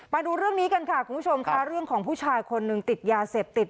มาดูเรื่องนี้กันค่ะคุณผู้ชมค่ะเรื่องของผู้ชายคนหนึ่งติดยาเสพติด